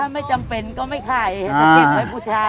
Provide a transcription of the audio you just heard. ถ้าไม่จำเป็นก็ไม่ขายสะเก็บไว้บูชา